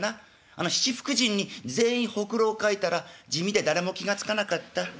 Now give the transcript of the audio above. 七福神に全員ほくろを描いたら地味で誰も気が付かなかった。